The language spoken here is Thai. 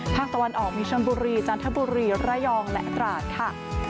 ภาคตะวันออกมีชนบุรีจันทบุรีระยองและตราดค่ะ